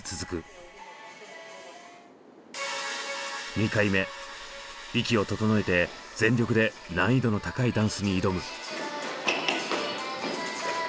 ２回目息を整えて全力で難易度の高いダンスに挑む。